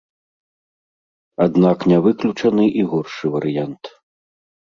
Аднак не выключаны і горшы варыянт.